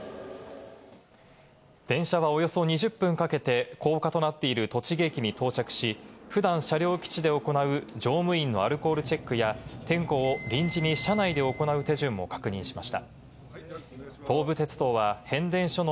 電車はおよそ２０分かけて高架となっている栃木駅に到着し、普段、車両基地で行う乗務員のアルコールチェックや点呼を臨時にここからは全国の気象情報をお伝えします。